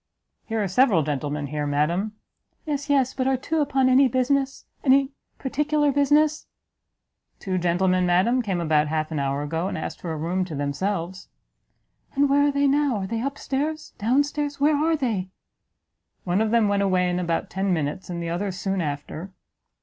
"Here are several gentlemen here, madam." "Yes, yes, but are two upon any business any particular business " "Two gentlemen, madam, came about half an hour ago, and asked for a room to themselves." "And where are they now? are they up stairs? down stairs? where are they?" "One of them went away in about ten minutes, and the other soon after."